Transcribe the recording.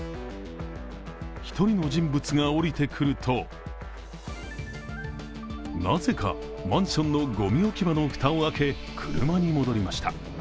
１人の人物が降りてくるとなぜかマンションのごみ置き場の蓋を開け車に戻りました。